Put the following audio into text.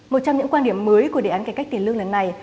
một trong những quan điểm mới của đề án cải cách tiền lương lần này